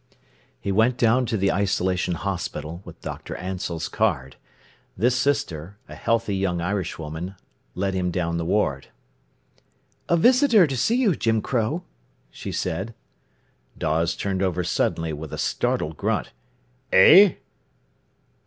He went down to the isolation hospital, with Dr. Ansell's card. This sister, a healthy young Irishwoman, led him down the ward. "A visitor to see you, Jim Crow," she said. Dawes turned over suddenly with a startled grunt. "Eh?"